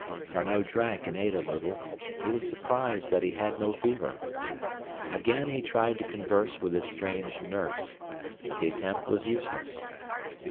D'Arnot drank and ate a little. He was surprised that he had no fever. Again he tried to converse with his strange nurse, but the attempt was useless.